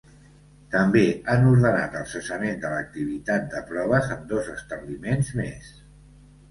També han ordenat el cessament de l’activitat de proves en dos establiments més.